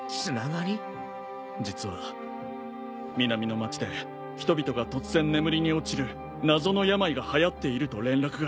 実は南の街で人々が突然眠りに落ちる謎の病がはやっていると連絡が。